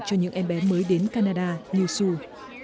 cho những em bé mới đến canada như sue